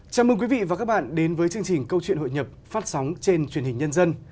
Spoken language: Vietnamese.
chào mừng quý vị và các bạn đến với chương trình câu chuyện hội nhập phát sóng trên truyền hình nhân dân